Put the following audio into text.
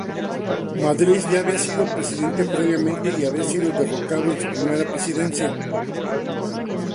Madriz ya había sido presidente previamente y había sido derrocado en su primera presidencia.